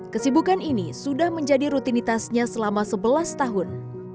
kesibukan ini sudah menjadi rutinitasnya selama sebelas tahun